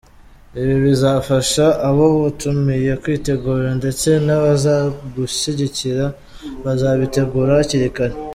Ibi bizafasha abo watumiye kwitegura ndetse n’abazagushyigikira bazabitegura hakiri kare.